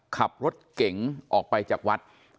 ขับรถเก๋งออกไปจากวัด